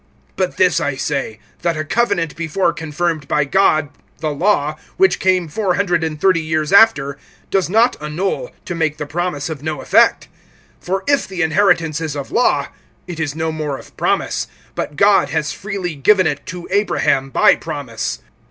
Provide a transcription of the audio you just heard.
(17)But this I say, that a covenant before confirmed by God, the law, which came four hundred and thirty years after, does not annul, to make the promise of no effect. (18)For if the inheritance is of law, it is no more of promise; but God has freely given it to Abraham by promise.